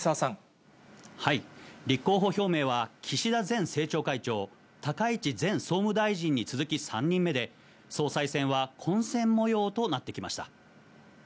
立候補表明は、岸田前政調会長、高市前総務大臣に続き３人目で、総裁選は混戦もようとなってきました。